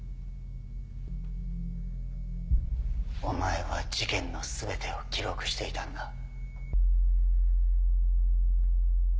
お前は事件の全てを記録していたんだ。